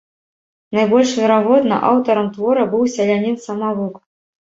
Найбольш верагодна, аўтарам твора быў сялянін-самавук.